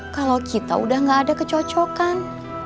kalau kita udah gak ada kecocokan